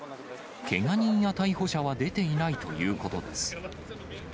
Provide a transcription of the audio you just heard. けが人や逮捕者は出ていないということです。